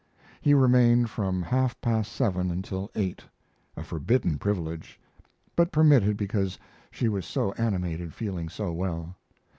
He remained from half past seven until eight a forbidden privilege, but permitted because she was so animated, feeling so well.